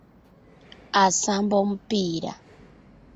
Asamba omupiira.